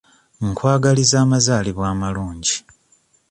Nkwagaliza amazaalibwa amalungi.